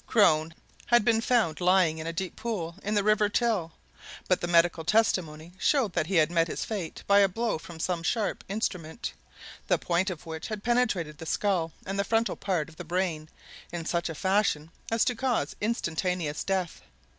Crone had been found lying in a deep pool in the River Till; but the medical testimony showed that he had met his fate by a blow from some sharp instrument, the point of which had penetrated the skull and the frontal part of the brain in such a fashion as to cause instantaneous death.